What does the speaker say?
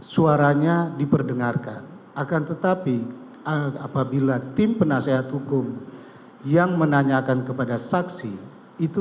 suaranya diperdengarkan akan tetapi apabila tim penasehat hukum yang menanyakan kepada saksi itu